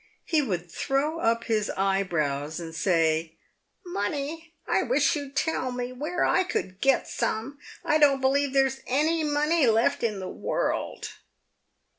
He would throw up his eyebrows and say, " Money ! I wish you'd tell me where I could get some ! I don't believe there's any money left in the world."